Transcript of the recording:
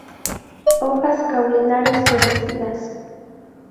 Hojas caulinares reducidas.